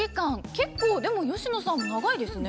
結構でも佳乃さんも長いですね。